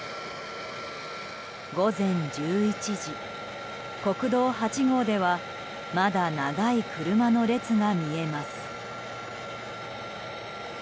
午前１１時、国道８号ではまだ長い車の列が見えます。